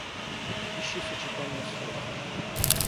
Ищи сочетания слов.